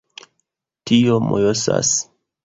Tio mojosas...